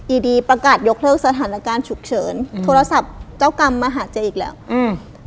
ดีดีประกาศยกเลิกสถานการณ์ฉุกเฉินอืมโทรศัพท์เจ้ากรรมมาหาเจ๊อีกแล้วอืม